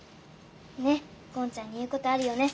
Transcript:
ねっゴンちゃんに言うことあるよね。